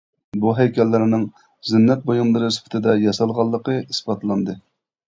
بۇ ھەيكەللەرنىڭ زىننەت بۇيۇملىرى سۈپىتىدە ياسالغانلىقى ئىسپاتلاندى.